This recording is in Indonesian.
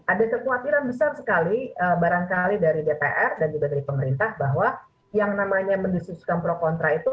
ada kekhawatiran besar sekali barangkali dari dpr dan juga dari pemerintah bahwa yang namanya mendiskusikan pro kontra itu